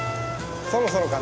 そろそろかな？